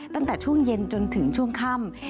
ตั้งแต่ช่วงเย็นจนถึงช่วงค่ำ